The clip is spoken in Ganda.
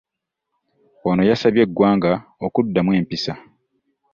Ono yasabye eggwanga okuddamu empisa